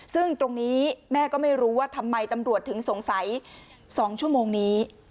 ซึ่งตรงนี้แม่ก็ไม่รู้ว่าทำไมตำรวจถึงสงสัย๒ชั่วโมงนี้